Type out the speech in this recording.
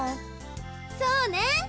そうねん！